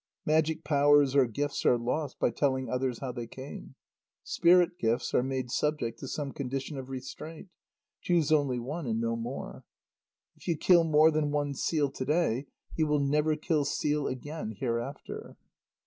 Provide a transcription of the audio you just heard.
Magic powers or gifts are lost by telling others how they came. Spirit gifts are made subject to some condition of restraint: "Choose only one and no more." "If you kill more than one seal to day, you will never kill seal again hereafter."